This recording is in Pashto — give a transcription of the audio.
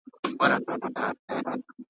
هم خورما او هم ثواب